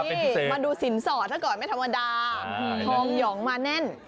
มาดูสินศอเธอก่อนไม่ธรรมดาทองหย่องมาแน่น